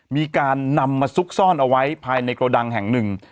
มีการนำมาซุกซ่อนเอาไว้ภายในโกดังแห่งหนึ่ง